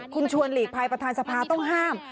คุณชวนหลีกภัยประธานสภาต้องห้าม